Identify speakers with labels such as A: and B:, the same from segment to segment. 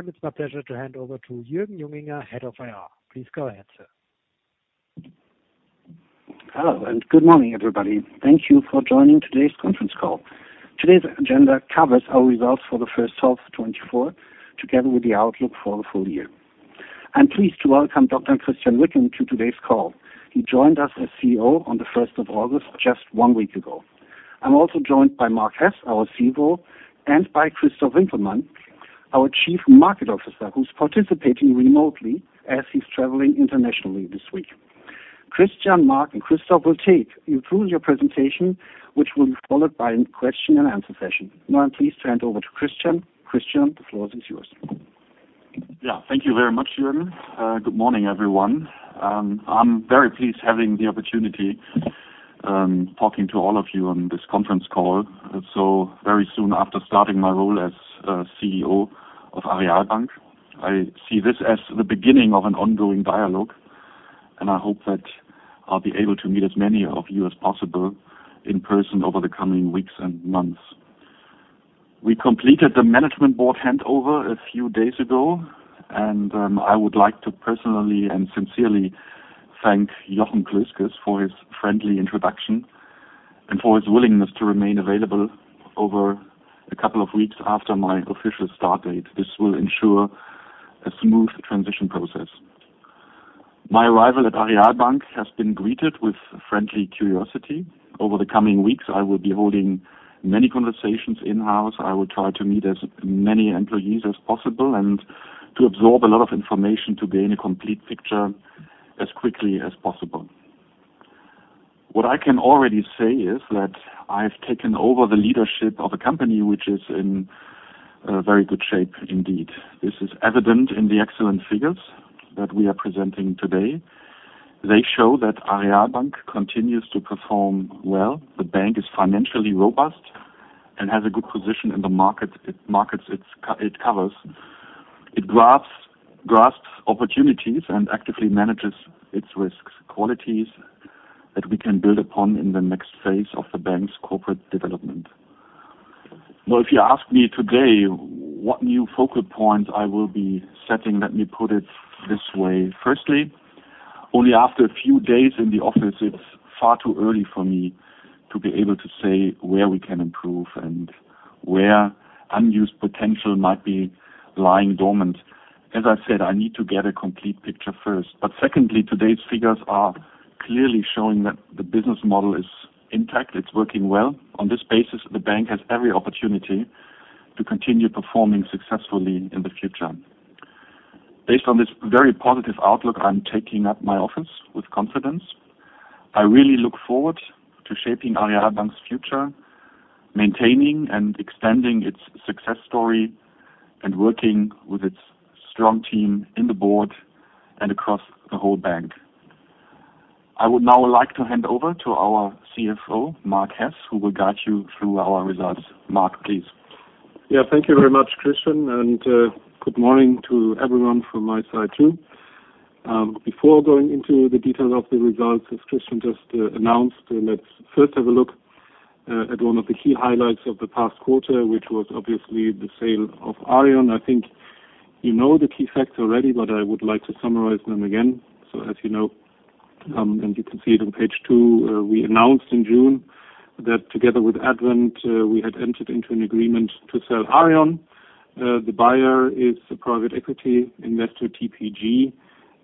A: Hi, it's my pleasure to hand over to Jürgen Junginger, Head of IR. Please go ahead, sir.
B: Hello, and good morning, everybody. Thank you for joining today's conference call. Today's agenda covers our results for the first half of 2024, together with the outlook for the full year. I'm pleased to welcome Dr. Christian Ricken to today's call. He joined us as CEO on the 1st of August, just one week ago. I'm also joined by Marc Hess, our CFO, and by Christof Winkelmann, our Chief Market Officer, who's participating remotely as he's traveling internationally this week. Christian, Marc, and Christoph will take you through your presentation, which will be followed by a question-and-answer session. Now I'm pleased to hand over to Christian. Christian, the floor is yours.
C: Yeah, thank you very much, Jürgen. Good morning, everyone. I'm very pleased having the opportunity of talking to all of you on this conference call. So, very soon after starting my role as CEO of Aareal Bank, I see this as the beginning of an ongoing dialogue, and I hope that I'll be able to meet as many of you as possible in person over the coming weeks and months. We completed the management board handover a few days ago, and I would like to personally and sincerely thank Jochen Klösges for his friendly introduction and for his willingness to remain available over a couple of weeks after my official start date. This will ensure a smooth transition process. My arrival at Aareal Bank has been greeted with friendly curiosity. Over the coming weeks, I will be holding many conversations in-house. I will try to meet as many employees as possible and to absorb a lot of information to gain a complete picture as quickly as possible. What I can already say is that I have taken over the leadership of a company which is in very good shape, indeed. This is evident in the excellent figures that we are presenting today. They show that Aareal Bank continues to perform well. The bank is financially robust and has a good position in the markets it covers. It grasps opportunities and actively manages its risks, qualities that we can build upon in the next phase of the bank's corporate development. Now, if you ask me today what new focal points I will be setting, let me put it this way. Firstly, only after a few days in the office, it's far too early for me to be able to say where we can improve and where unused potential might be lying dormant. As I said, I need to get a complete picture first. But secondly, today's figures are clearly showing that the business model is intact. It's working well. On this basis, the bank has every opportunity to continue performing successfully in the future. Based on this very positive outlook, I'm taking up my office with confidence. I really look forward to shaping Aareal Bank's future, maintaining and extending its success story, and working with its strong team in the board and across the whole bank. I would now like to hand over to our CFO, Marc Hess, who will guide you through our results. Marc, please.
D: Yeah, thank you very much, Christian, and good morning to everyone from my side too. Before going into the details of the results, as Christian just announced, let's first have a look at one of the key highlights of the past quarter, which was obviously the sale of Aareon. I think you know the key facts already, but I would like to summarize them again. So, as you know, and you can see it on page 2, we announced in June that together with Advent, we had entered into an agreement to sell Aareon. The buyer is a private equity investor, TPG,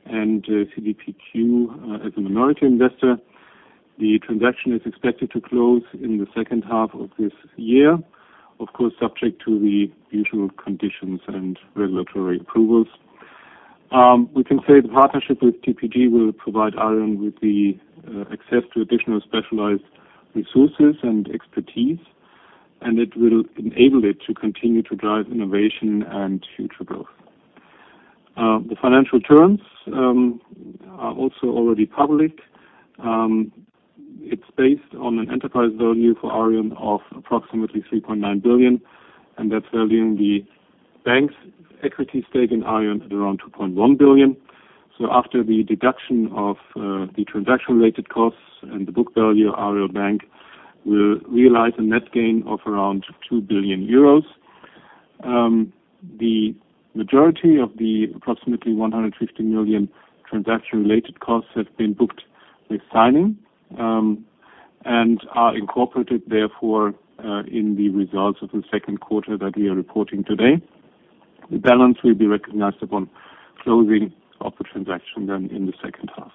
D: and CDPQ as a minority investor. The transaction is expected to close in the second half of this year, of course, subject to the usual conditions and regulatory approvals. We can say the partnership with TPG will provide Aareon with the access to additional specialized resources and expertise, and it will enable it to continue to drive innovation and future growth. The financial terms are also already public. It's based on an enterprise value for Aareon of approximately 3.9 billion, and that's valuing the bank's equity stake in Aareon at around 2.1 billion. So, after the deduction of the transaction-related costs and the book value, Aareal Bank will realize a net gain of around 2 billion euros. The majority of the approximately 150 million transaction-related costs have been booked with signing and are incorporated, therefore, in the results of the second quarter that we are reporting today. The balance will be recognized upon closing of the transaction then in the second half.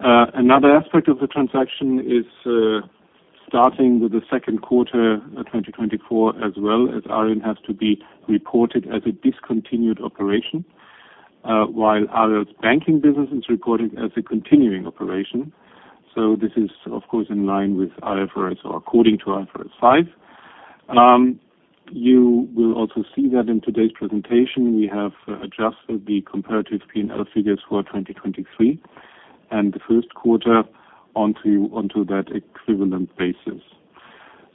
D: Another aspect of the transaction is starting with the second quarter of 2024, as well as Aareon has to be reported as a discontinued operation, while Aareal's banking business is reported as a continuing operation. So, this is, of course, in line with IFRS or according to IFRS 5. You will also see that in today's presentation, we have adjusted the comparative P&L figures for 2023 and the first quarter onto that equivalent basis.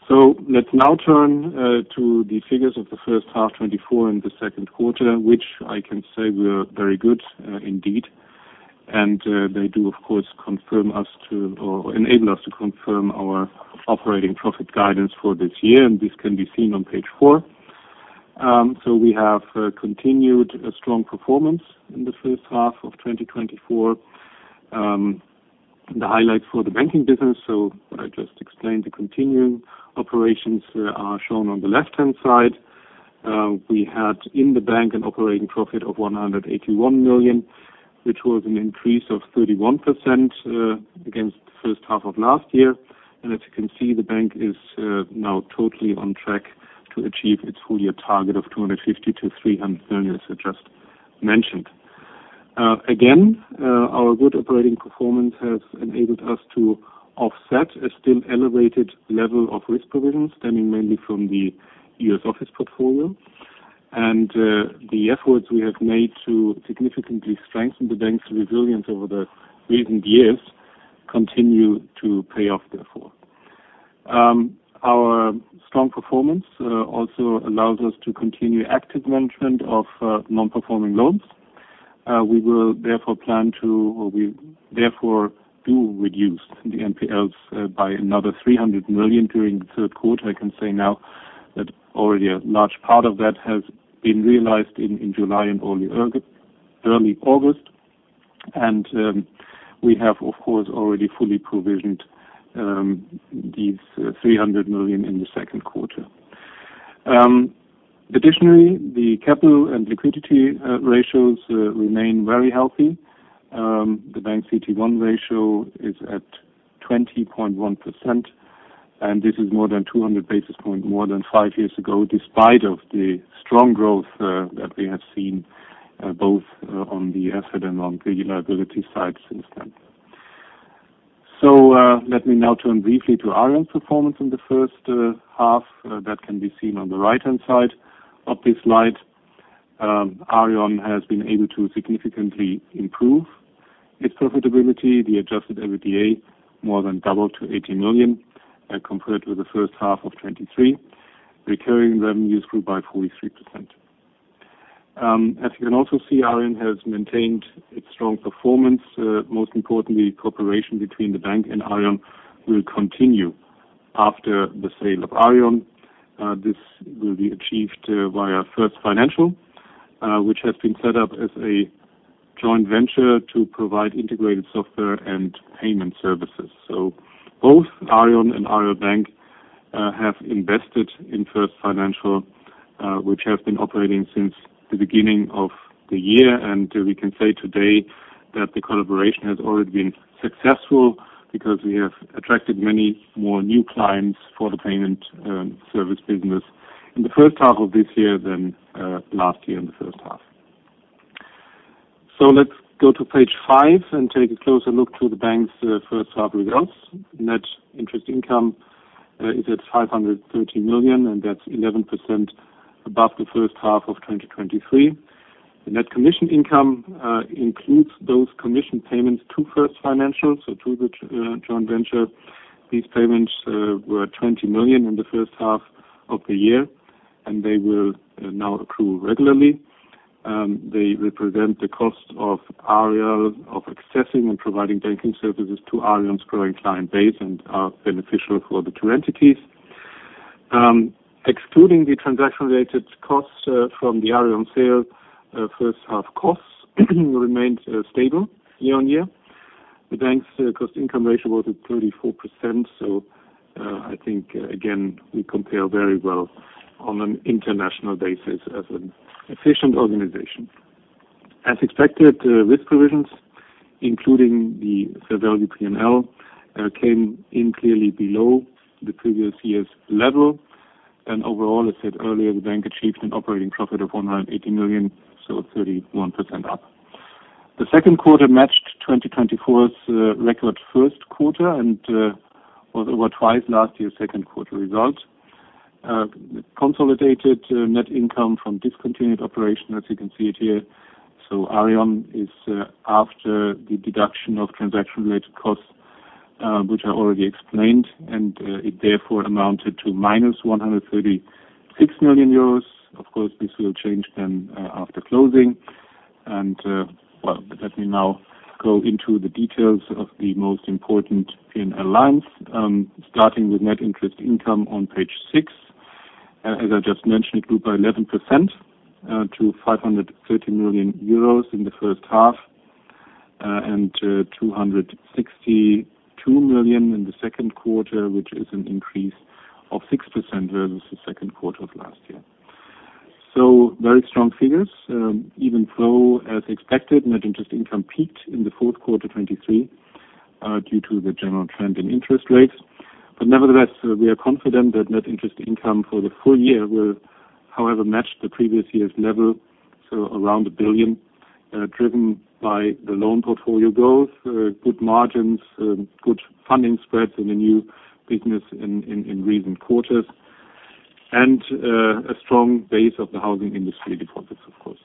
D: So, let's now turn to the figures of the first half 2024 and the second quarter, which I can say were very good indeed, and they do, of course, confirm us to or enable us to confirm our operating profit guidance for this year, and this can be seen on page 4. So, we have continued strong performance in the first half of 2024. The highlights for the banking business, so what I just explained, the continuing operations are shown on the left-hand side. We had in the bank an operating profit of 181 million, which was an increase of 31% against the first half of last year. As you can see, the bank is now totally on track to achieve its full-year target of 250 million-300 million, as I just mentioned. Again, our good operating performance has enabled us to offset a still elevated level of risk provisions, stemming mainly from the US office portfolio, and the efforts we have made to significantly strengthen the bank's resilience over the recent years continue to pay off, therefore. Our strong performance also allows us to continue active management of non-performing loans. We will, therefore, plan to, or we, therefore, do reduce the NPLs by another 300 million during the third quarter. I can say now that already a large part of that has been realized in July and early August, and we have, of course, already fully provisioned these 300 million in the second quarter. Additionally, the capital and liquidity ratios remain very healthy. The bank's CET1 ratio is at 20.1%, and this is more than 200 basis points more than five years ago, despite the strong growth that we have seen both on the asset and non-credit liability side since then. So, let me now turn briefly to Aareon's performance in the first half. That can be seen on the right-hand side of this slide. Aareon has been able to significantly improve its profitability. The adjusted EBITDA more than doubled to 80 million compared with the first half of 2023, recurring revenues grew by 43%. As you can also see, Aareon has maintained its strong performance. Most importantly, cooperation between the bank and Aareon will continue after the sale of Aareon. This will be achieved via First Financial, which has been set up as a joint venture to provide integrated software and payment services. So, both Aareon and Aareal Bank have invested in First Financial, which has been operating since the beginning of the year, and we can say today that the collaboration has already been successful because we have attracted many more new clients for the payment service business in the first half of this year than last year in the first half. So, let's go to page 5 and take a closer look to the bank's first half results. Net interest income is at 530 million, and that's 11% above the first half of 2023. The net commission income includes those commission payments to First Financial, so to the joint venture. These payments were 20 million in the first half of the year, and they will now accrue regularly. They represent the cost of Aareal of accessing and providing banking services to Aareon's growing client base and are beneficial for the two entities. Excluding the transaction-related costs from the Aareon sale, first half costs remained stable year-on-year. The bank's cost income ratio was at 34%, so I think, again, we compare very well on an international basis as an efficient organization. As expected, risk provisions, including the fair value P&L, came in clearly below the previous year's level, and overall, as said earlier, the bank achieved an operating profit of 180 million, so 31% up. The second quarter matched 2024's record first quarter and was over twice last year's second quarter result. Consolidated net income from discontinued operation, as you can see it here, so Aareon is after the deduction of transaction-related costs, which I already explained, and it therefore amounted to -136 million euros. Of course, this will change then after closing. And, well, let me now go into the details of the most important P&L lines, starting with net interest income on page six. As I just mentioned, it grew by 11% to 530 million euros in the first half and 262 million in the second quarter, which is an increase of 6% versus the second quarter of last year. So, very strong figures. Even though, as expected, net interest income peaked in the fourth quarter 2023 due to the general trend in interest rates. But nevertheless, we are confident that net interest income for the full year will, however, match the previous year's level, so around 1 billion, driven by the loan portfolio growth, good margins, good funding spreads in the new business in recent quarters, and a strong base of the housing industry deposits, of course.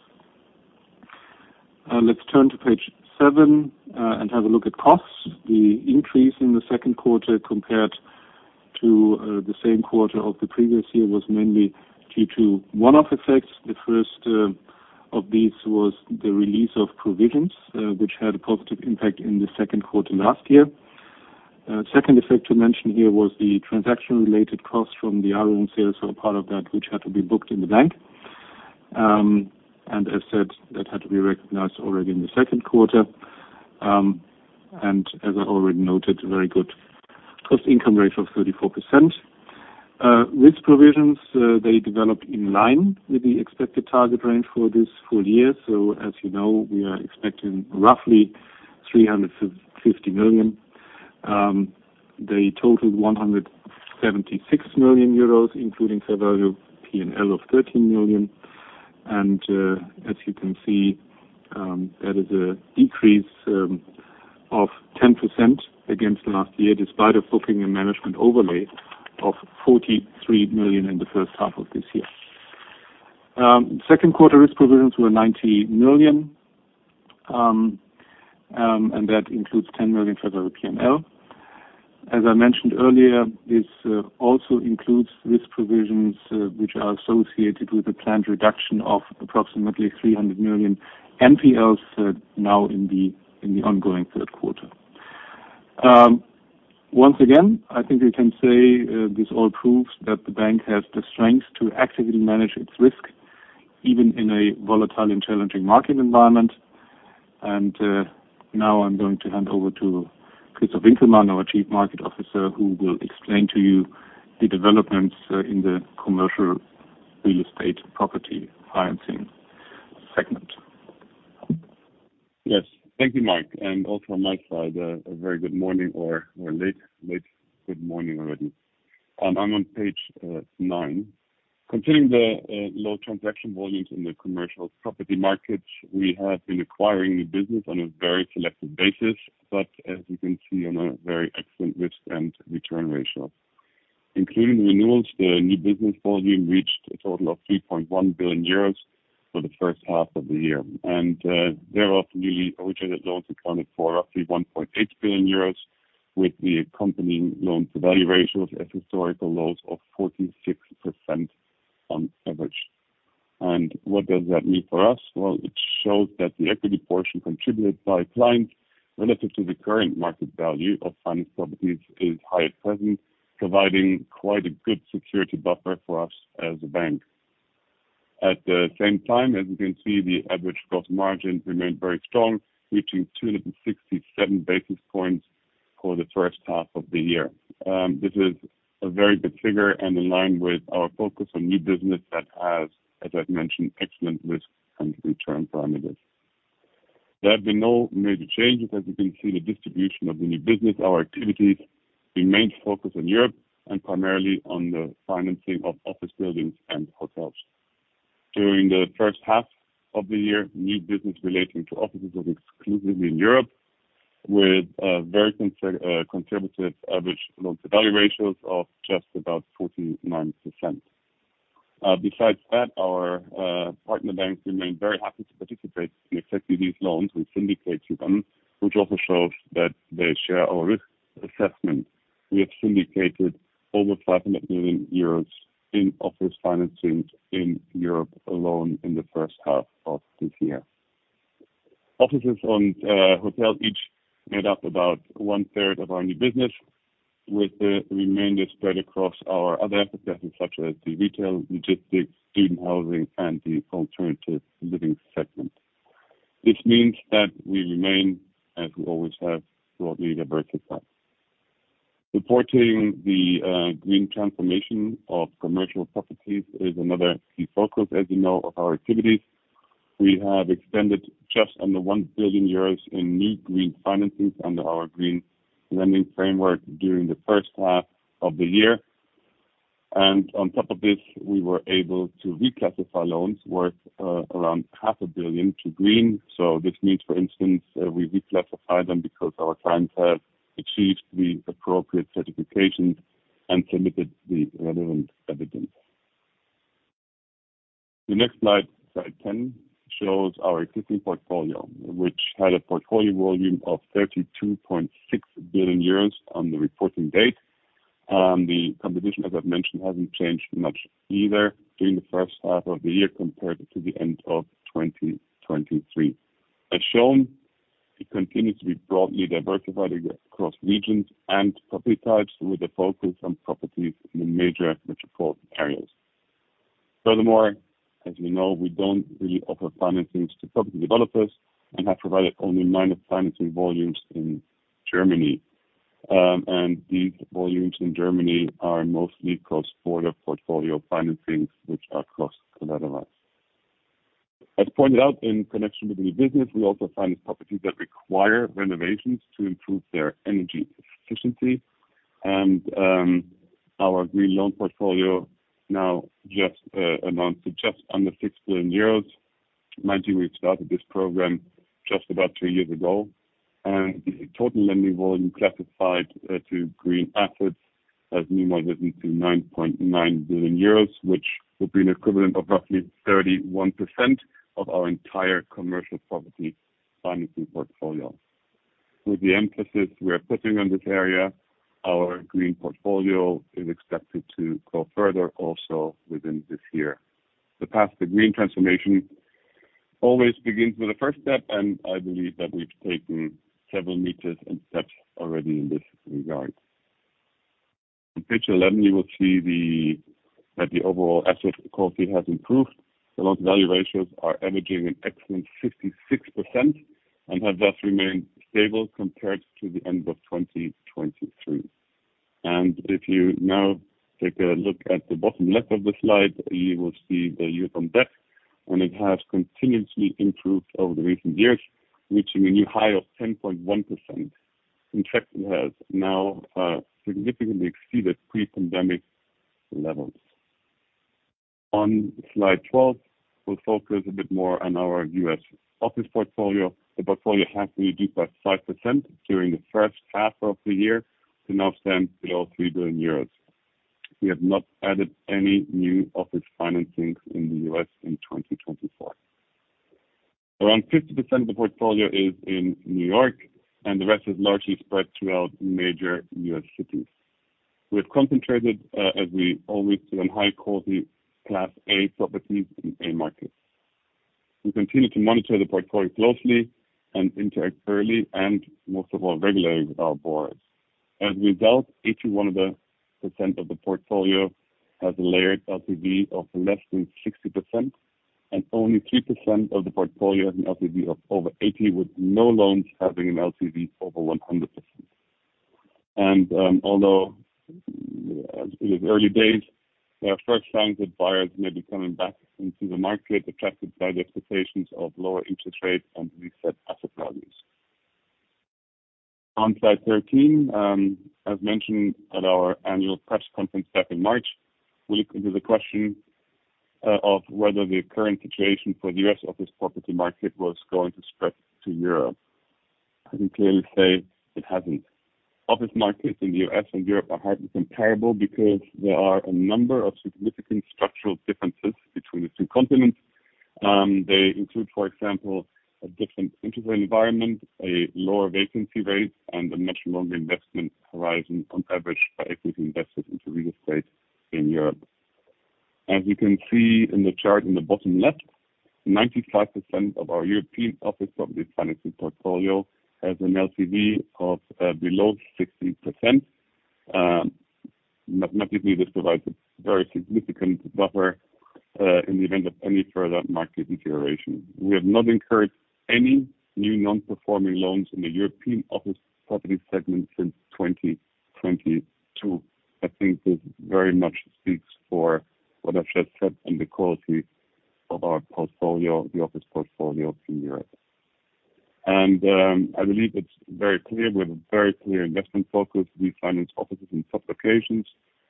D: Let's turn to page seven and have a look at costs. The increase in the second quarter compared to the same quarter of the previous year was mainly due to one-off effects. The first of these was the release of provisions, which had a positive impact in the second quarter last year. Second effect to mention here was the transaction-related costs from the Aareon sales, so a part of that, which had to be booked in the bank. And as said, that had to be recognized already in the second quarter. As I already noted, a very good cost income ratio of 34%. Risk provisions, they developed in line with the expected target range for this full year. So, as you know, we are expecting roughly 350 million. They totaled 176 million euros, including fair value P&L of 13 million. And as you can see, that is a decrease of 10% against last year, despite a booking and management overlay of 43 million in the first half of this year. Second quarter risk provisions were 90 million, and that includes 10 million fair value P&L. As I mentioned earlier, this also includes risk provisions which are associated with a planned reduction of approximately 300 million NPLs now in the ongoing third quarter. Once again, I think we can say this all proves that the bank has the strength to actively manage its risk, even in a volatile and challenging market environment. Now I'm going to hand over to Christoph Winkelmann, our Chief Market Officer, who will explain to you the developments in the commercial real estate property financing segment.
E: Yes, thank you, Marc. And also on my side, a very good morning or a late good morning already. I'm on page nine. Considering the low transaction volumes in the commercial property market, we have been acquiring new business on a very selective basis, but as you can see, on a very excellent risk and return ratio. Including the renewals, the new business volume reached a total of 3.1 billion euros for the first half of the year. And thereof, newly originated loans accounted for roughly 1.8 billion euros, with the accompanying loan-to-value ratios at historical lows of 46% on average. And what does that mean for us? Well, it shows that the equity portion contributed by clients relative to the current market value of finance properties is high at present, providing quite a good security buffer for us as a bank. At the same time, as you can see, the average gross margin remained very strong, reaching 267 basis points for the first half of the year. This is a very good figure and in line with our focus on new business that has, as I've mentioned, excellent risk and return parameters. There have been no major changes. As you can see, the distribution of the new business, our activities remained focused on Europe and primarily on the financing of office buildings and hotels. During the first half of the year, new business relating to offices was exclusively in Europe, with very conservative average loan-to-value ratios of just about 49%. Besides that, our partner banks remained very happy to participate in executive loans we syndicated to them, which also shows that they share our risk assessment. We have syndicated over 500 million euros in office financing in Europe alone in the first half of this year. Offices and hotels each made up about 1/3 of our new business, with the remainder spread across our other asset classes, such as the retail, logistics, student housing, and the alternative living segment. This means that we remain, as we always have, broadly diversified. Supporting the green transformation of commercial properties is another key focus, as you know, of our activities. We have expended just under 1 billion euros in new green financings under our green lending framework during the first half of the year. And on top of this, we were able to reclassify loans worth around 0.5 billion to green. So this means, for instance, we reclassified them because our clients have achieved the appropriate certifications and submitted the relevant evidence. The next slide, slide 10, shows our existing portfolio, which had a portfolio volume of 32.6 billion euros on the reporting date. The composition, as I've mentioned, hasn't changed much either during the first half of the year compared to the end of 2023. As shown, it continues to be broadly diversified across regions and property types, with a focus on properties in the major metropolitan areas. Furthermore, as you know, we don't really offer financings to property developers and have provided only minor financing volumes in Germany. These volumes in Germany are mostly cross-border portfolio financings, which are closely collateralized. As pointed out in connection with the new business, we also finance properties that require renovations to improve their energy efficiency. Our green loan portfolio now just amounts to just under 6 billion euros. Mind you, we've started this program just about three years ago. The total lending volume classified to green assets has now more risen to 9.9 billion euros, which would be an equivalent of roughly 31% of our entire commercial property financing portfolio. With the emphasis we are putting on this area, our green portfolio is expected to grow further also within this year. The path to green transformation always begins with a first step, and I believe that we've taken several major steps already in this regard. On page 11, you will see that the overall asset quality has improved. The loan-to-value ratios are averaging an excellent 56% and have thus remained stable compared to the end of 2023. If you now take a look at the bottom left of the slide, you will see the DSCR, and it has continuously improved over the recent years, reaching a new high of 10.1%. In fact, it has now significantly exceeded pre-pandemic levels. On slide 12, we'll focus a bit more on our U.S. office portfolio. The portfolio has been reduced by 5% during the first half of the year to now stand below 3 billion euros. We have not added any new office financings in the U.S. in 2024. Around 50% of the portfolio is in New York, and the rest is largely spread throughout major U.S. cities. We have concentrated, as we always do, on high-quality Class A properties in A markets. We continue to monitor the portfolio closely and interact early and, most of all, regularly with our board. As a result, 81% of the portfolio has a layered LTV of less than 60%, and only 3% of the portfolio has an LTV of over 80%, with no loans having an LTV over 100%. Although it is early days, there are first signs that buyers may be coming back into the market, attracted by the expectations of lower interest rates and reset asset values. On slide 13, as mentioned at our annual press conference back in March, we looked into the question of whether the current situation for the U.S. office property market was going to spread to Europe. I can clearly say it hasn't. Office markets in the U.S. and Europe are hardly comparable because there are a number of significant structural differences between the two continents. They include, for example, a different interest rate environment, a lower vacancy rate, and a much longer investment horizon on average for equity investors into real estate in Europe. As you can see in the chart in the bottom left, 95% of our European office property financing portfolio has an LTV of below 60%. Mathematically, this provides a very significant buffer in the event of any further market deterioration. We have not incurred any new non-performing loans in the European office property segment since 2022. I think this very much speaks for what I've just said on the quality of our portfolio, the office portfolio in Europe. I believe it's very clear. We have a very clear investment focus. We finance offices in top locations,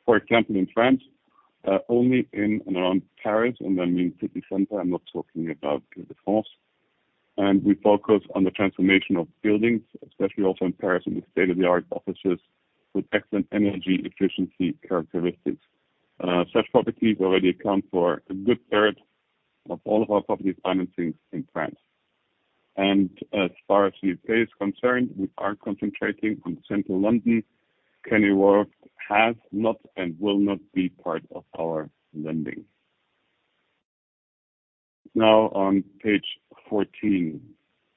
E: for example, in France, only in and around Paris, and that means city center. I'm not talking about the France. We focus on the transformation of buildings, especially also in Paris, in the state-of-the-art offices with excellent energy efficiency characteristics. Such properties already account for a good third of all of our property financings in France. As far as the U.K. is concerned, we are concentrating on Central London. Canary Wharf has not and will not be part of our lending. Now, on page 14,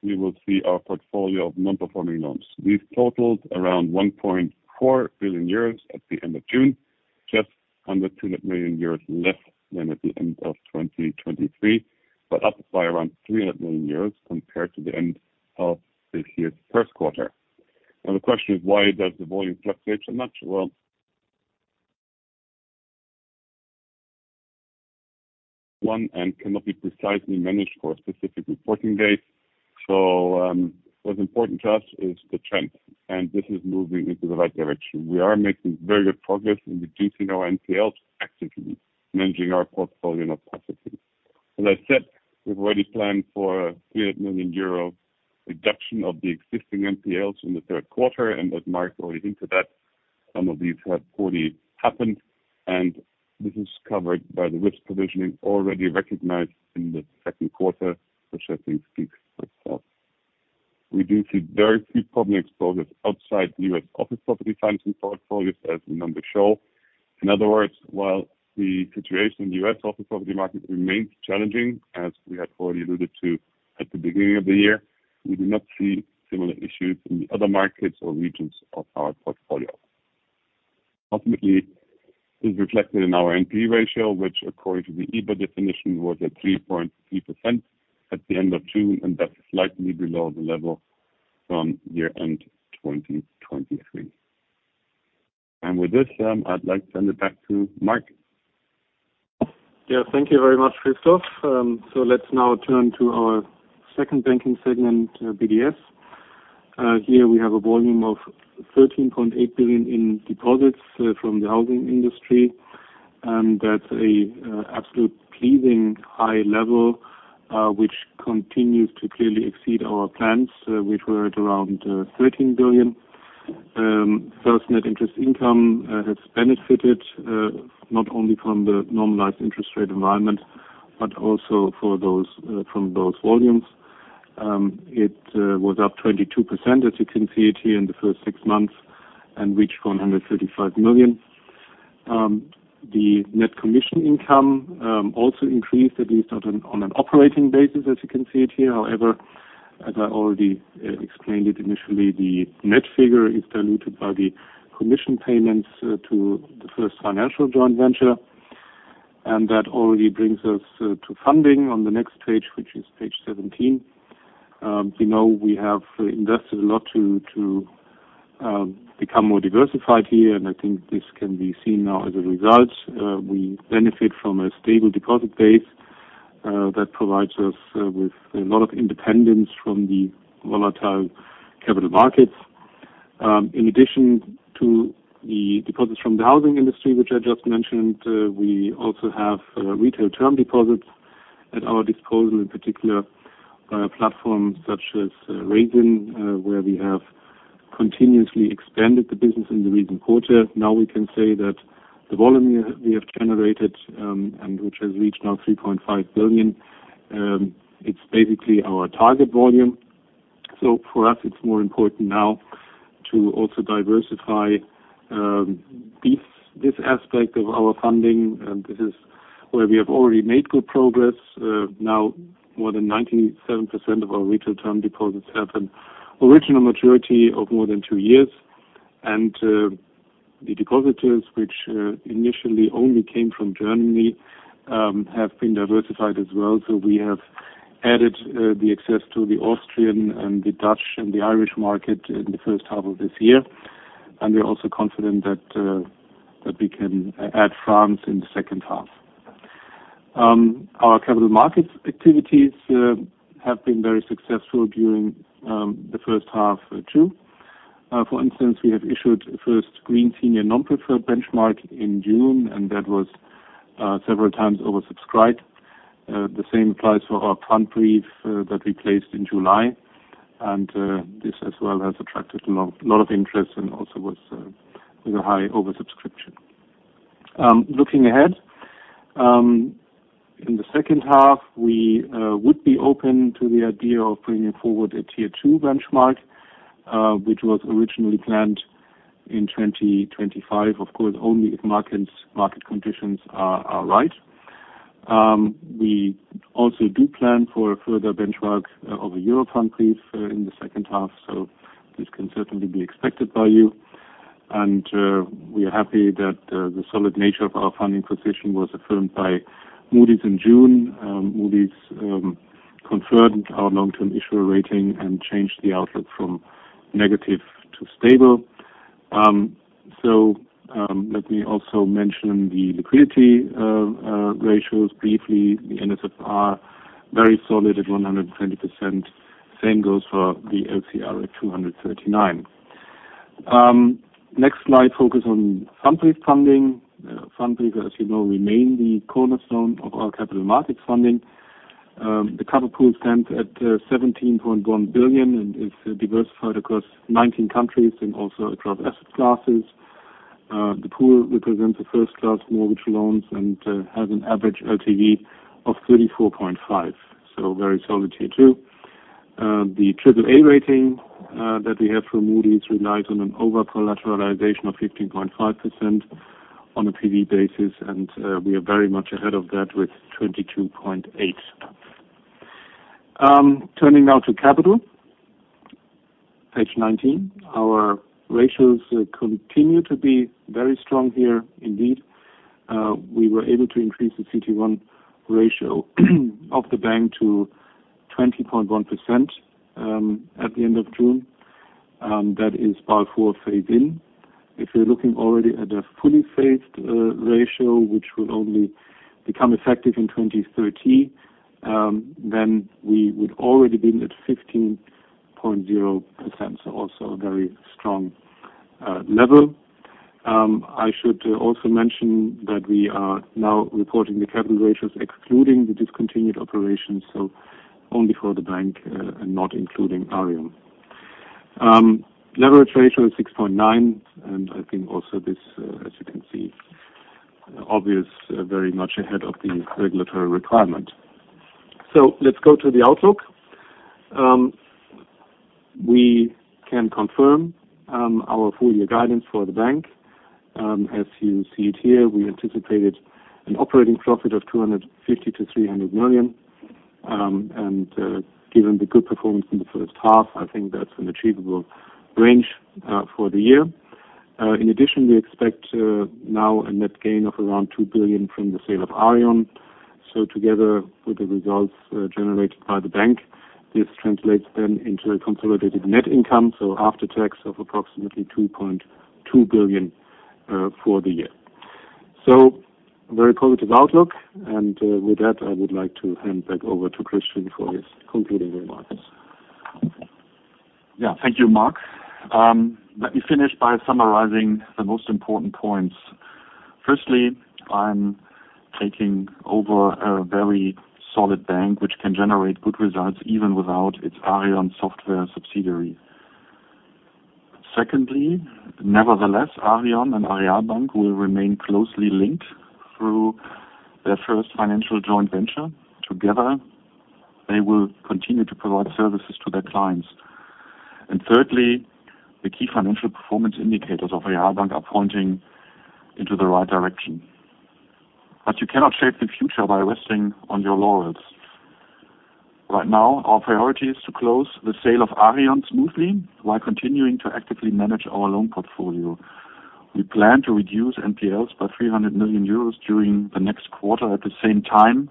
E: you will see our portfolio of non-performing loans. These totaled around 1.4 billion euros at the end of June, just under 200 million euros less than at the end of 2023, but up by around 300 million euros compared to the end of this year's first quarter. Now, the question is, why does the volume fluctuate so much? Well, one can not be precisely managed for a specific reporting date. So what's important to us is the trend, and this is moving into the right direction. We are making very good progress in reducing our NPLs, actively managing our portfolio not passively. As I said, we've already planned for a 300 million euro reduction of the existing NPLs in the third quarter, and as Marc already hinted at, some of these have already happened. This is covered by the risk provisioning already recognized in the second quarter, which I think speaks for itself. We do see very few problem exposures outside U.S. office property financing portfolios, as the numbers show. In other words, while the situation in the U.S. office property market remains challenging, as we had already alluded to at the beginning of the year, we do not see similar issues in the other markets or regions of our portfolio. Ultimately, this is reflected in our NPE ratio, which, according to the EBA definition, was at 3.3% at the end of June, and that's slightly below the level from year-end 2023. With this, I'd like to hand it back to Marc.
D: Yeah, thank you very much, Christoph. So let's now turn to our second banking segment, BDS. Here we have a volume of 13.8 billion in deposits from the housing industry. That's an absolute pleasing high level, which continues to clearly exceed our plans, which were at around 13 billion. First-net interest income has benefited not only from the normalized interest rate environment, but also from those volumes. It was up 22%, as you can see it here in the first six months, and reached 135 million. The net commission income also increased, at least on an operating basis, as you can see it here. However, as I already explained it initially, the net figure is diluted by the commission payments to the First Financial joint venture. And that already brings us to funding on the next page, which is page 17. You know we have invested a lot to become more diversified here, and I think this can be seen now as a result. We benefit from a stable deposit base that provides us with a lot of independence from the volatile capital markets. In addition to the deposits from the housing industry, which I just mentioned, we also have retail term deposits at our disposal, in particular by a platform such as Raisin, where we have continuously expanded the business in the recent quarter. Now we can say that the volume we have generated, and which has reached now 3.5 billion, it's basically our target volume. So for us, it's more important now to also diversify this aspect of our funding. This is where we have already made good progress. Now, more than 97% of our retail term deposits have an original maturity of more than two years. The depositors, which initially only came from Germany, have been diversified as well. We have added the access to the Austrian and the Dutch and the Irish market in the first half of this year. We're also confident that we can add France in the second half. Our capital markets activities have been very successful during the first half too. For instance, we have issued the first Green Senior Non-Preferred Benchmark in June, and that was several times oversubscribed. The same applies for our Pfandbrief that we placed in July. This as well has attracted a lot of interest and also was with a high oversubscription. Looking ahead, in the second half, we would be open to the idea of bringing forward a Tier 2 benchmark, which was originally planned in 2025, of course, only if market conditions are right. We also do plan for a further benchmark of a Euro Pfandbrief in the second half, so this can certainly be expected by you. We are happy that the solid nature of our funding position was affirmed by Moody’s in June. Moody’s confirmed our long-term issuer rating and changed the outlook from negative to stable. Let me also mention the liquidity ratios briefly. The NSFR is very solid at 120%. Same goes for the LCR at 239%. Next slide, focus on Pfandbrief funding. Pfandbriefe, as you know, remain the cornerstone of our capital markets funding. The cover pool stands at 17.1 billion and is diversified across 19 countries and also across asset classes. The pool represents the first-class mortgage loans and has an average LTV of 34.5%, so very solid here too. The AAA rating that we have from Moody’s relies on an over-collateralization of 15.5% on a PV basis, and we are very much ahead of that with 22.8%. Turning now to capital, page 19, our ratios continue to be very strong here. Indeed, we were able to increase the CET1 ratio of the bank to 20.1% at the end of June. That is Basel IV phased-in. If we're looking already at a fully phased ratio, which will only become effective in 2030, then we would already be at 15.0%, so also a very strong level. I should also mention that we are now reporting the capital ratios excluding the discontinued operations, so only for the bank and not including Aareon. Leverage ratio is 6.9%, and I think also this, as you can see, obviously very much ahead of the regulatory requirement. So let's go to the outlook. We can confirm our full year guidance for the bank. As you see it here, we anticipated an operating profit of 250 million-300 million. And given the good performance in the first half, I think that's an achievable range for the year. In addition, we expect now a net gain of around 2 billion from the sale of Aareon. So together with the results generated by the bank, this translates then into a consolidated net income, so after tax of approximately 2.2 billion for the year. So very positive outlook. And with that, I would like to hand back over to Christian for his concluding remarks.
C: Yeah, thank you, Marc. Let me finish by summarizing the most important points. Firstly, I'm taking over a very solid bank, which can generate good results even without its Aareon software subsidiary. Secondly, nevertheless, Aareon and Aareal Bank will remain closely linked through their First Financial joint venture. Together, they will continue to provide services to their clients. And thirdly, the key financial performance indicators of Aareal Bank are pointing into the right direction. But you cannot shape the future by resting on your laurels. Right now, our priority is to close the sale of Aareon smoothly while continuing to actively manage our loan portfolio. We plan to reduce NPLs by 300 million euros during the next quarter. At the same time,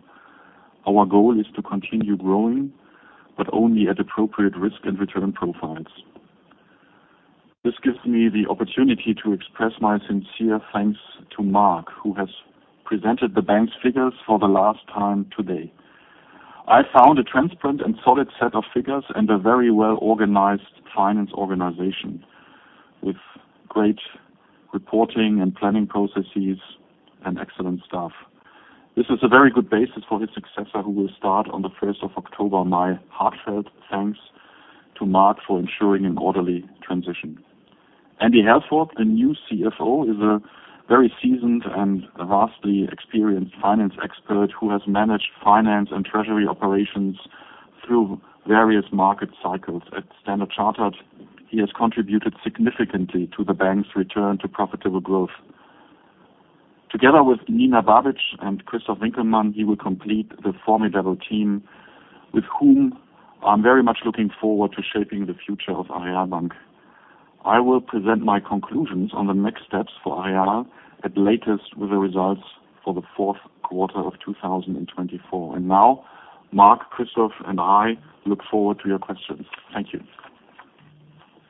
C: our goal is to continue growing, but only at appropriate risk and return profiles. This gives me the opportunity to express my sincere thanks to Marc, who has presented the bank's figures for the last time today. I found a transparent and solid set of figures and a very well-organized finance organization with great reporting and planning processes and excellent staff. This is a very good basis for his successor, who will start on the 1st of October. My heartfelt thanks to Marc for ensuring an orderly transition. Andy Halford, the new CFO, is a very seasoned and vastly experienced finance expert who has managed finance and treasury operations through various market cycles. At Standard Chartered, he has contributed significantly to the bank's return to profitable growth. Together with Nina Babic and Christoph Winkelmann, he will complete the formidable team with whom I'm very much looking forward to shaping the future of Aareal Bank. I will present my conclusions on the next steps for Aareal at the latest with the results for the fourth quarter of 2024. Now, Marc, Christoph, and I look forward to your questions. Thank you.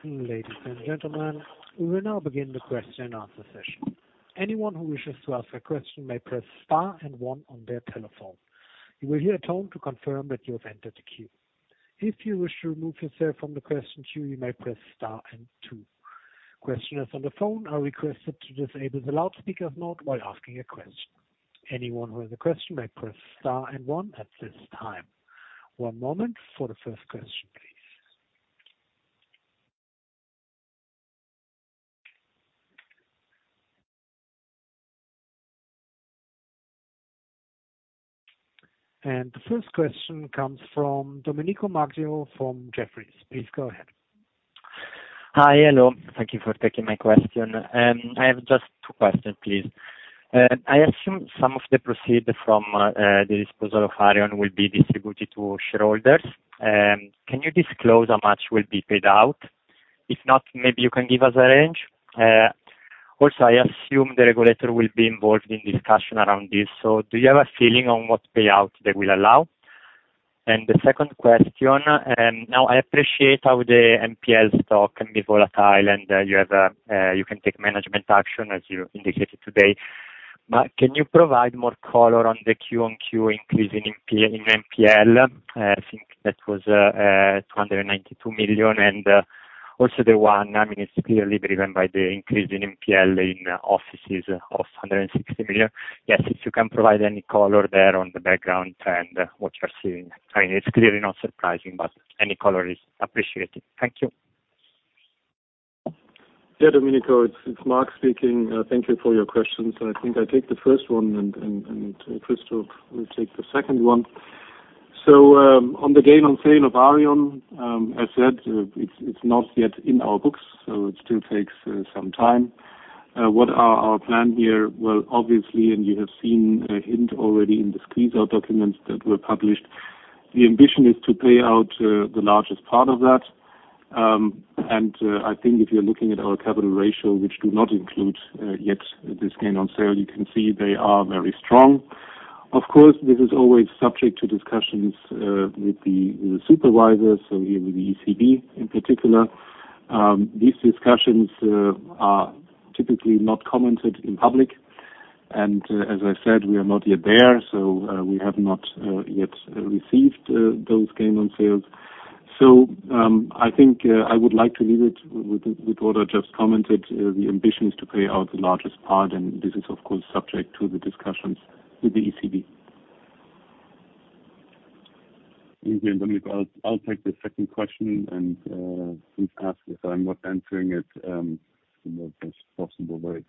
A: Ladies and gentlemen, we will now begin the question and answer session. Anyone who wishes to ask a question may press star and one on their telephone. You will hear a tone to confirm that you have entered the queue. If you wish to remove yourself from the question queue, you may press star and two. Questioners on the phone are requested to disable the loudspeaker mode while asking a question. Anyone who has a question may press star and one at this time. One moment for the first question, please. The first question comes from Domenico Maggio from Jefferies. Please go ahead.
F: Hi, hello. Thank you for taking my question. I have just two questions, please. I assume some of the proceeds from the disposal of Aareon will be distributed to shareholders. Can you disclose how much will be paid out? If not, maybe you can give us a range. Also, I assume the regulator will be involved in discussion around this. So do you have a feeling on what payout they will allow? And the second question, now I appreciate how the NPL stock can be volatile and you can take management action, as you indicated today. But can you provide more color on the Q1Q increase in NPL? I think that was 292 million. And also the one, I mean, it's clearly driven by the increase in NPL in offices of 160 million. Yes, if you can provide any color there on the background and what you're seeing. I mean, it's clearly not surprising, but any color is appreciated. Thank you.
D: Yeah, Domenico, it's Marc speaking. Thank you for your questions. I think I take the first one, and Christoph will take the second one. So on the gain on sale of Aareon, as said, it's not yet in our books, so it still takes some time. What are our plans here? Well, obviously, and you have seen a hint already in the squeeze-out documents that were published, the ambition is to pay out the largest part of that. And I think if you're looking at our capital ratio, which do not include yet this gain on sale, you can see they are very strong. Of course, this is always subject to discussions with the supervisors, so here with the ECB in particular. These discussions are typically not commented in public. And as I said, we are not yet there, so we have not yet received those gain on sales. I think I would like to leave it with what I just commented. The ambition is to pay out the largest part, and this is, of course, subject to the discussions with the ECB.
E: Thank you, Domenico. I'll take the second question and please ask if I'm not answering it in the best possible way.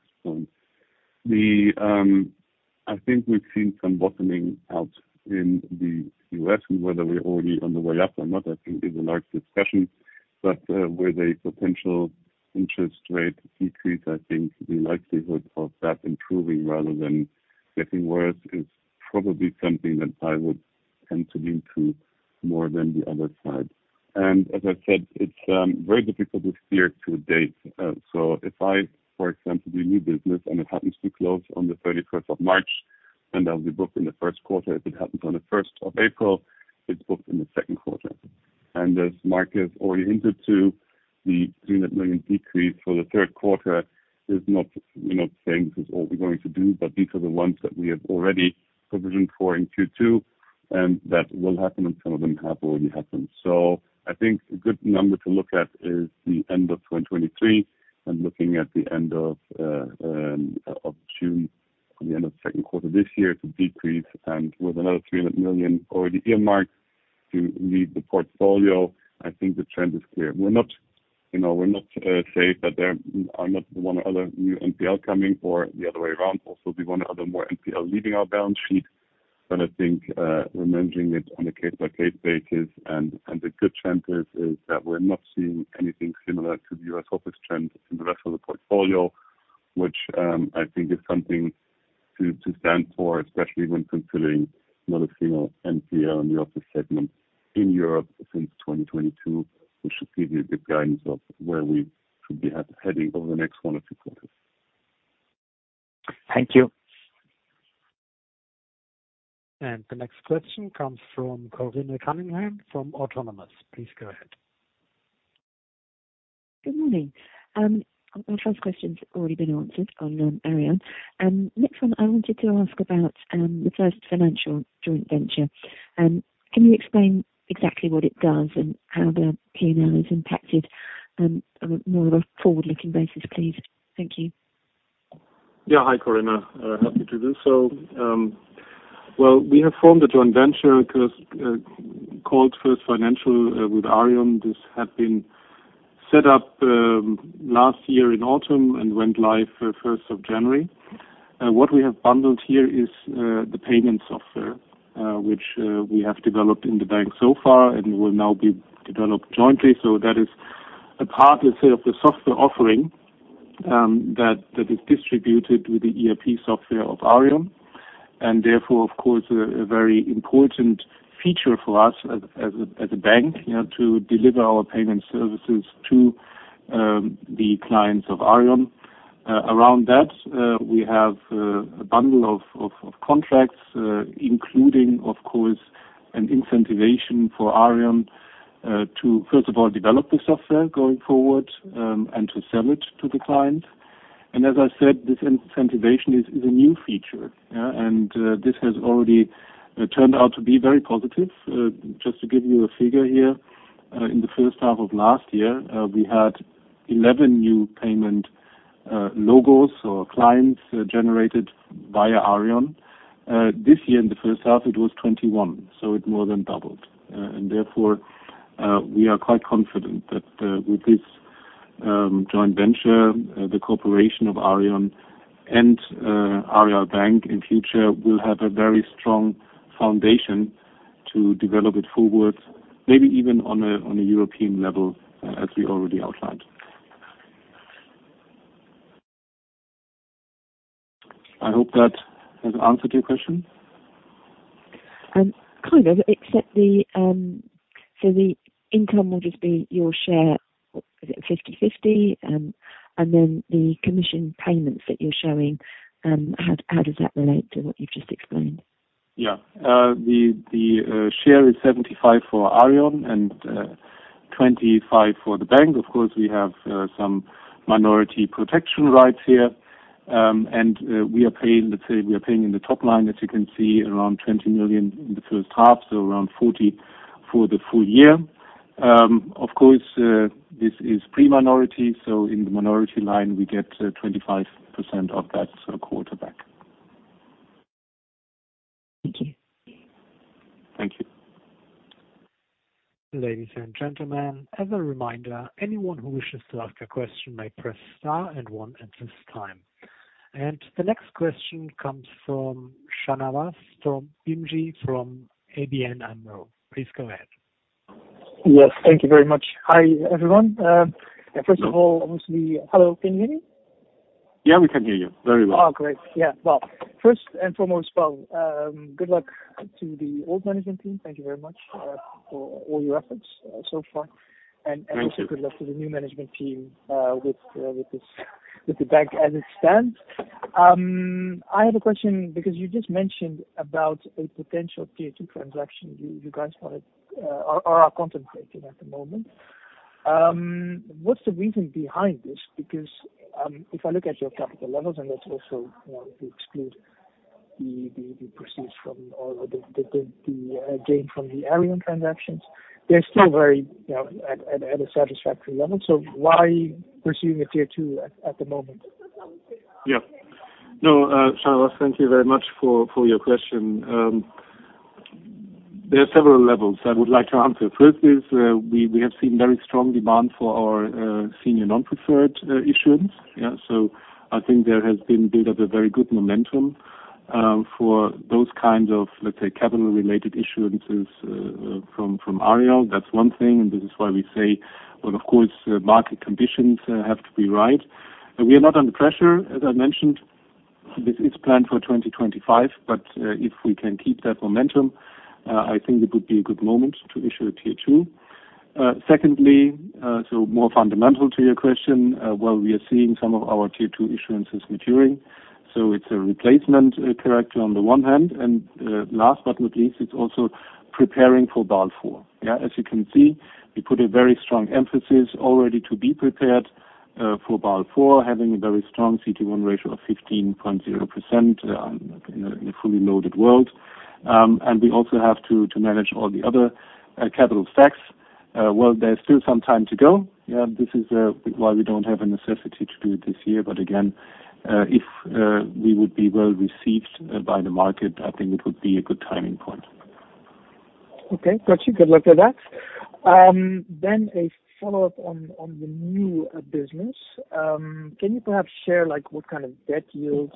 E: I think we've seen some bottoming out in the U.S., and whether we're already on the way up or not, I think, is a large discussion. But with a potential interest rate decrease, I think the likelihood of that improving rather than getting worse is probably something that I would tend to lean to more than the other side. And as I said, it's very difficult to steer to a date. So if I, for example, do new business and it happens to close on the 31st of March, and that will be booked in the first quarter, if it happens on the 1st of April, it's booked in the second quarter. As Marc has already hinted to, the 300 million decrease for the third quarter is not saying this is all we're going to do, but these are the ones that we have already provisioned for in Q2, and that will happen, and some of them have already happened. I think a good number to look at is the end of 2023 and looking at the end of June, the end of the second quarter this year to decrease, and with another 300 million or the earmark to leave the portfolio, I think the trend is clear. We're not safe that there are not one or other new NPL coming or the other way around. Also, the one or other more NPL leaving our balance sheet, but I think we're managing it on a case-by-case basis. The good chances is that we're not seeing anything similar to the U.S. office trend in the rest of the portfolio, which I think is something to stand for, especially when considering not a single NPL in the office segment in Europe since 2022, which should give you a good guidance of where we should be heading over the next one or two quarters.
F: Thank you.
A: The next question comes from Corinne Cunningham from Autonomous. Please go ahead.
G: Good morning. Our first question's already been answered on Aareon. Next one, I wanted to ask about the First Financial joint venture. Can you explain exactly what it does and how the P&L is impacted on a more of a forward-looking basis, please? Thank you.
D: Yeah, hi, Corinne. Happy to do so. Well, we have formed a joint venture called First Financial with Aareon. This had been set up last year in autumn and went live 1st of January. What we have bundled here is the payment software, which we have developed in the bank so far and will now be developed jointly. So that is a part, let's say, of the software offering that is distributed with the ERP software of Aareon. And therefore, of course, a very important feature for us as a bank to deliver our payment services to the clients of Aareon. Around that, we have a bundle of contracts, including, of course, an incentivation for Aareon to, first of all, develop the software going forward and to sell it to the client. As I said, this incentivization is a new feature, and this has already turned out to be very positive. Just to give you a figure here, in the first half of last year, we had 11 new payment logos or clients generated via Aareon. This year, in the first half, it was 21, so it more than doubled. And therefore, we are quite confident that with this joint venture, the corporation of Aareon and Aareal Bank in future will have a very strong foundation to develop it forward, maybe even on a European level, as we already outlined. I hope that has answered your question.
G: Kind of, except the income will just be your share, is it 50/50? And then the commission payments that you're showing, how does that relate to what you've just explained?
D: Yeah. The share is 75% for Aareon and 25% for the bank. Of course, we have some minority protection rights here. And we are paying, let's say, we are paying in the top line, as you can see, around 20 million in the first half, so around 40 million for the full year. Of course, this is pre-minority, so in the minority line, we get 25% of that quarter back.
G: Thank you.
D: Thank you.
A: Ladies and gentlemen, as a reminder, anyone who wishes to ask a question may press star and one at this time. The next question comes from Shanawaz Bhimji from ABN AMRO. Please go ahead.
H: Yes, thank you very much. Hi, everyone. First of all, obviously, hello, can you hear me?
D: Yeah, we can hear you very well.
H: Oh, great. Yeah. Well, first and foremost, well, good luck to the old management team. Thank you very much for all your efforts so far. And also, good luck to the new management team with the bank as it stands. I have a question because you just mentioned about a potential Tier 2 transaction you guys wanted or are contemplating at the moment. What's the reason behind this? Because if I look at your capital levels, and let's also exclude the proceeds from or the gain from the Aareon transactions, they're still very at a satisfactory level. So why pursuing a Tier 2 at the moment?
D: Yeah. No, Shanawaz, thank you very much for your question. There are several levels I would like to answer. First is we have seen very strong demand for our senior non-preferred issuance. So I think there has been built up a very good momentum for those kinds of, let's say, capital-related issuances from Aareon. That's one thing, and this is why we say, well, of course, market conditions have to be right. We are not under pressure, as I mentioned. This is planned for 2025, but if we can keep that momentum, I think it would be a good moment to issue a Tier 2. Secondly, so more fundamental to your question, well, we are seeing some of our Tier 2 issuances maturing. So it's a replacement character on the one hand. And last but not least, it's also preparing for Basel IV. As you can see, we put a very strong emphasis already to be prepared for Basel IV, having a very strong CET1 ratio of 15.0% in a fully loaded world. We also have to manage all the other capital stacks. Well, there's still some time to go. This is why we don't have a necessity to do it this year. Again, if we would be well received by the market, I think it would be a good timing point.
H: Okay. Got you. Good luck with that. Then a follow-up on the new business. Can you perhaps share what kind of debt yields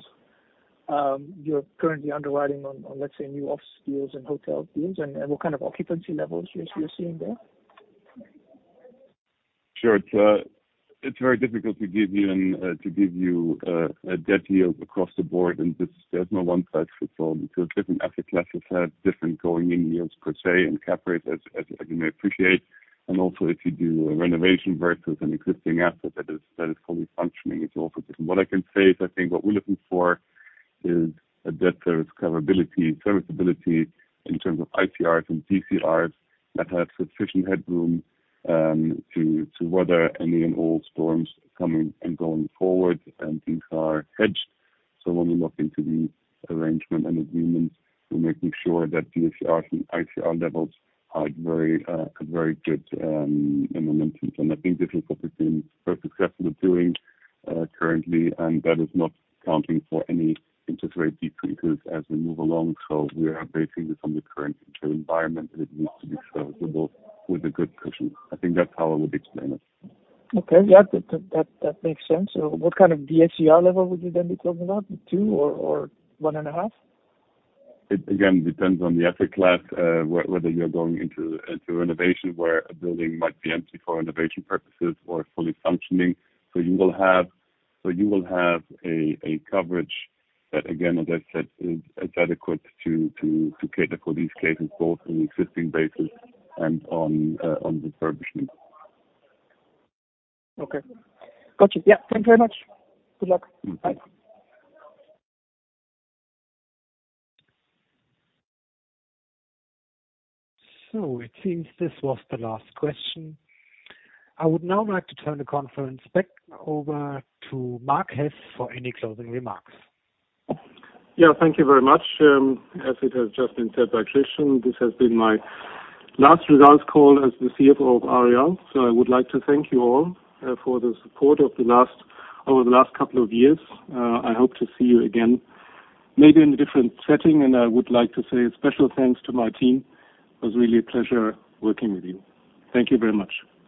H: you're currently underwriting on, let's say, new office deals and hotel deals, and what kind of occupancy levels you're seeing there?
E: Sure. It's very difficult to give you a debt yield across the board, and there's no one size fits all because different asset classes have different going-in yields, per se, and cap rates, as you may appreciate. And also, if you do a renovation versus an existing asset that is fully functioning, it's also different. What I can say is I think what we're looking for is a debt serviceability in terms of ICRs and DSCRs that have sufficient headroom to weather any and all storms coming and going forward. And these are hedged. So when we look into the arrangement and agreements, we're making sure that the ICRs and ICR levels are at very good momentum. And I think this is what we've been very successful at doing currently, and that is not accounting for any interest rate decreases as we move along. We are basing this on the current interim environment, and it needs to be serviceable with a good cushion. I think that's how I would explain it.
H: Okay. Yeah, that makes sense. What kind of DSCR level would you then be talking about, 2 or 1.5?
E: Again, it depends on the asset class, whether you're going into renovation where a building might be empty for renovation purposes or fully functioning. So you will have a coverage that, again, as I said, is adequate to cater for these cases, both on the existing basis and on refurbishment.
H: Okay. Got you. Yeah. Thank you very much. Good luck. Bye.
A: It seems this was the last question. I would now like to turn the conference back over to Marc Hess for any closing remarks.
D: Yeah, thank you very much. As it has just been said by Christian, this has been my last results call as the CFO of Aareal. So I would like to thank you all for the support over the last couple of years. I hope to see you again, maybe in a different setting, and I would like to say a special thanks to my team. It was really a pleasure working with you. Thank you very much.